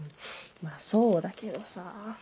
まぁそうだけどさ。